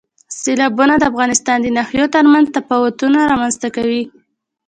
سیلابونه د افغانستان د ناحیو ترمنځ تفاوتونه رامنځ ته کوي.